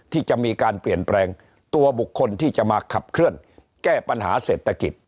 ที่จะมีการเปลี่ยนแปลงตัวบุคคลที่จะมาขับเคลื่อนแก้ปัญหาเศรษฐกิจ